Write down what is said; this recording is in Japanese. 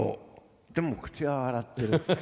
でも口は笑ってる。